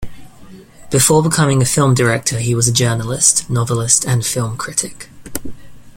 Before becoming a film director he was a journalist, novelist and film critic.